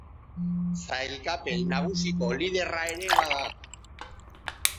Sailkapen nagusiko liderra ere bada.